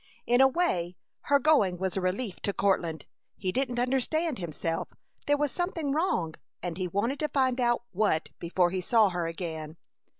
In a way her going was a relief to Courtland. He didn't understand himself. There was something wrong, and he wanted to find out what before he saw her again.